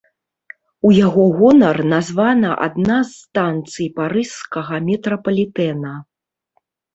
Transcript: У яго гонар названа адна з станцый парыжскага метрапалітэна.